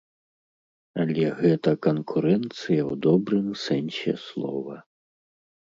Але гэта канкурэнцыя ў добрым сэнсе слова.